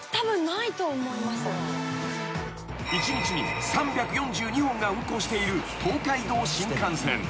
［一日に３４２本が運行している東海道新幹線］